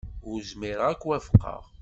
Ur zmireɣ ad k-wafqeɣ.